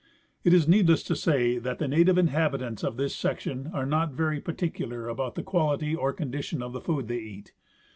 It is needless to say that the native inhabitants of this section are not very particular about the quality or condition of the food they eat.